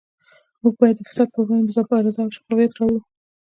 موږ باید د فساد پروړاندې مبارزه او شفافیت راوړو